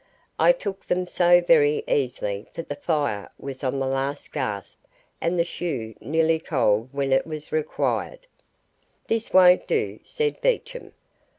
I took them so very easily that the fire was on the last gasp and the shoe nearly cold when it was required. "This won't do," said Beecham.